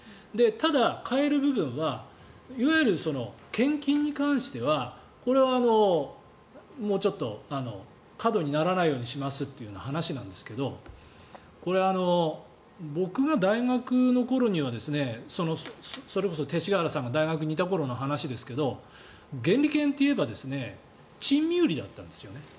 ただ、変える部分はいわゆる献金に関してはこれはもうちょっと過度にならないようにしますっていう話なんですけど僕が大学の頃にはそれこそ勅使河原さんが大学にいた頃の話ですけど原理研といえば珍味売りだったんですよね。